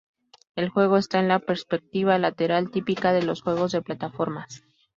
El juego está en la perspectiva lateral típica de los juegos de plataformas.